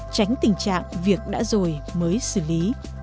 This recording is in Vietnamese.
tránh tình trạng việc đã rồi mới xử lý